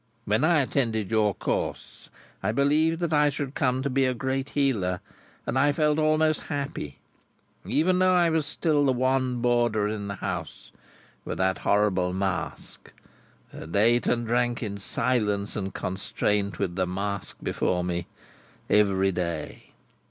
When I attended your course, I believed that I should come to be a great healer, and I felt almost happy—even though I was still the one boarder in the house with that horrible mask, and ate and drank in silence and constraint with the mask before me, every day.